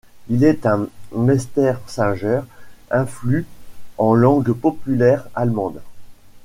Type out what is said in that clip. Il est un Meistersinger influent en langue populaire allemande.